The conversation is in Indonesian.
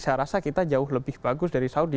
saya rasa kita jauh lebih bagus dari saudi